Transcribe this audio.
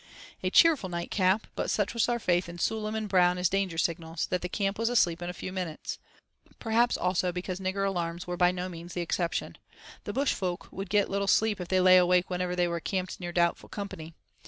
A cheerful nightcap; but such was our faith in Sool'em and Brown as danger signals, that the camp was asleep in a few minutes. Perhaps also because nigger alarms were by no means the exception: the bush folk would get little sleep if they lay awake whenever they were camped near doubtful company.